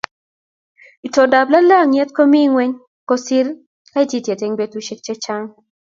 itondo ab lalangiet ko mi ngweny kosir kaititiet eng ' petushek chechang